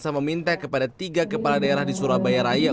sama minta kepada tiga kepala daerah di surabaya raya